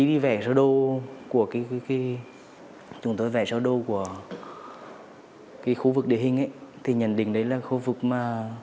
đi về sơ đô của cái chúng tôi về sơ đô của ở khu vực địa hình thì nhận định đấy là khu vực mà